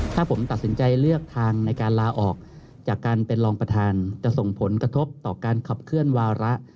ถ้าผมตัดสินใจเลือกทางในการลาออกจากการเป็นรองประธานจะส่งผลกระทบต่อการขับเคลื่อนวาระ